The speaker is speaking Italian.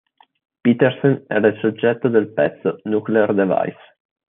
Petersen era il soggetto del pezzo "Nuclear Device".